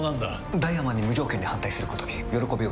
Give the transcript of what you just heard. ダイワマンに無条件に反対することに喜びを感じるようです。